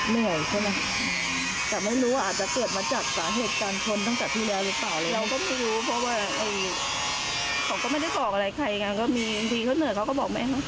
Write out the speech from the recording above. เราก็ไม่รู้เพราะว่าเขาก็ไม่ได้บอกอะไรใครอย่างนั้นก็มีทีทั่วเนิดเขาก็บอกไหมครับ